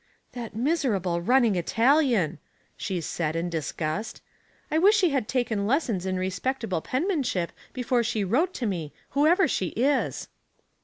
"That miserable running Italian!" she said, in disgust. " I wish she had taken lessons in respectable penmanship before she wrote to me, whoever she is."